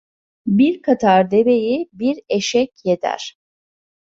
Bir katar deveyi bir eşek yeder.